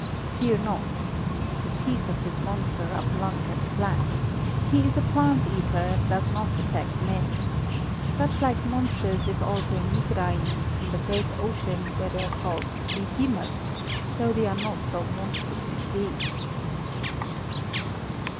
"Fear not! The teeth of this monster are blunt and black. He is a plant eater, and does not attack men. Such like monsters live also in Migraim, in the great ocean, where they are called 'Behemoth,' though they are not so monstrously big."